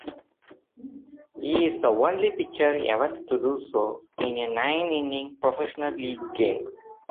He is the only pitcher ever to do so in a nine-inning, professional-league game.